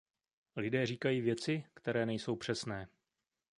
Lidé říkají věci, které nejsou přesné.